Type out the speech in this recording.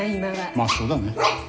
まぁそうだね。